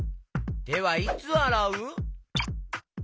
てはいつあらう？